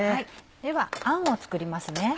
ではあんを作りますね。